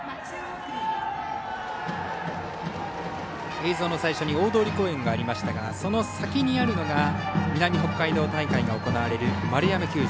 映像の最初に大通公園がありましたがその先にあるのが南北海道大会が行われる円山球場。